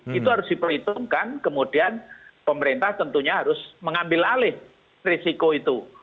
itu harus diperhitungkan kemudian pemerintah tentunya harus mengambil alih risiko itu